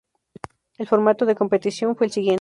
El formato de competición fue el siguiente.